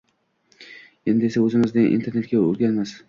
Endi esa, o`zimizni internetga urganmiz